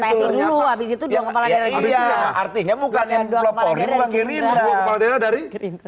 hai dulu abis itu dia kepala daerah artinya bukan yang doang poli poli dari